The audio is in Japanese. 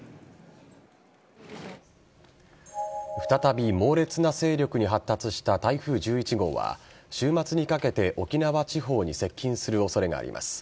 再び猛烈な勢力に発達した台風１１号は週末にかけて沖縄地方に接近する恐れがあります。